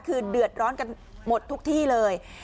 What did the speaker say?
คือเดือดร้อนกันหมดทุกที่เลย